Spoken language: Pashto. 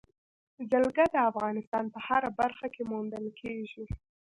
جلګه د افغانستان په هره برخه کې موندل کېږي.